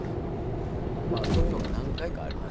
まあそういうのが何回かありましたね。